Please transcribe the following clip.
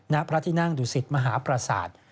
ณพระทินั่งดุศิษฐ์มหาปราศาสตร์